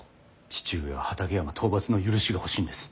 父上は畠山討伐の許しが欲しいんです。